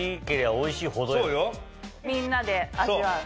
みんなで味わう？